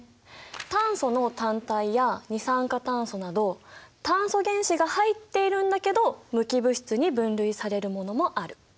炭素の単体や二酸化炭素など炭素原子が入っているんだけど無機物質に分類されるものもある。